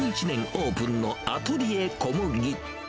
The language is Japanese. オープンのアトリエ小麦。